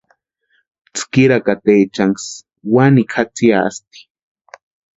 Tskirakatechanksï wanikwa jatsiatʼi.